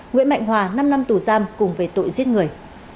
nguyễn mạnh hòa năm năm tù giam cùng về tội giết người